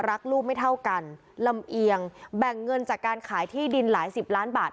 รักลูกไม่เท่ากันลำเอียงแบ่งเงินจากการขายที่ดินหลายสิบล้านบาท